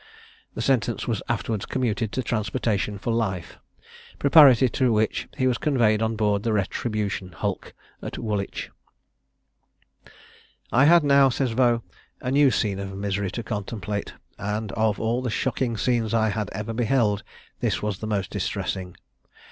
His sentence was afterwards commuted to transportation for life, preparatory to which he was conveyed on board the Retribution hulk at Woolwich. "I had now," says Vaux, "a new scene of misery to contemplate; and, of all the shocking scenes I had ever beheld, this was the most distressing.